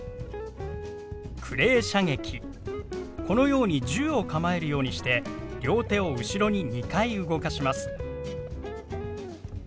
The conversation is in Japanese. このように銃を構えるようにして両手を後ろに２回動かします。